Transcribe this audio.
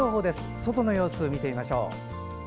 外の様子を見てみましょう。